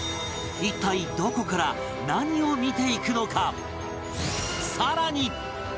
一体どこから何を見ていくのか？